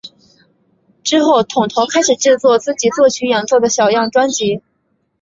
之后桶头开始制作自己作曲演奏的小样专辑。